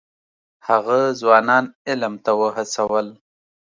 هغه ځوانان علم ته وهڅول.